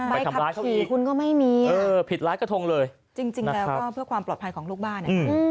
ไปทำร้ายเขาขี่คุณก็ไม่มีเออผิดร้ายกระทงเลยจริงแล้วก็เพื่อความปลอดภัยของลูกบ้าน